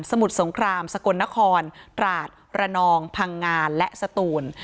มุดสงครามสกลนครตราดระนองพังงานและสตูน